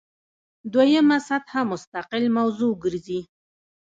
دویمه سطح مستقل موضوع ګرځي.